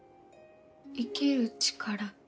生きる力。